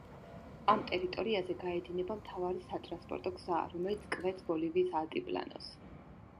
ამ ტერიტორიაზე გაედინება მთავარი სატრანსპორტო გზა, რომელიც კვეთს ბოლივიის ალტიპლანოს.